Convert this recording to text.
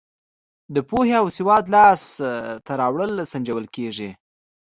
د پوهې او سواد لاس ته راوړل سنجول کیږي.